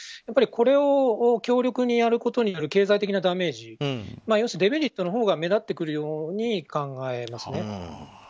これを強力にやることによる経済的なダメージ要するにデメリットのほうが目立ってくるように考えますね。